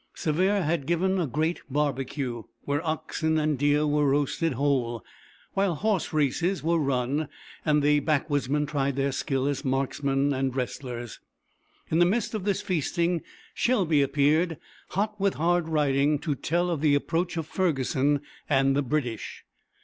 Sevier had given a great barbecue, where oxen and deer were roasted whole, while horseraces were run, and the backwoodsmen tried their skill as marksmen and wrestlers. In the midst of the feasting Shelby appeared, hot with hard riding, to tell of the approach of Ferguson and the British.